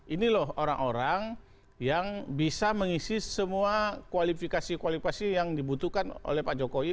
ini loh orang orang yang bisa mengisi semua kualifikasi kualifikasi yang dibutuhkan oleh pak jokowi